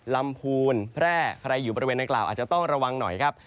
ลำพูนแพร่ใครอยู่บริเวณนางกล่าวอาจจะต้องระวังหน่อยครับ